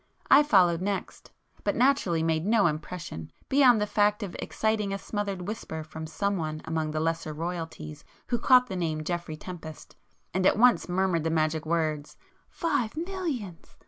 I followed next,—but naturally made no impression beyond the fact of exciting a smothered whisper from some one among the lesser Royalties who caught the name 'Geoffrey Tempest,' and at once murmured the magic words "Five millions!"